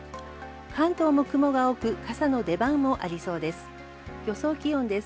関東も雲が多く、傘の出番もありそうです。